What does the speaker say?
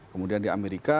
kemudian di amerika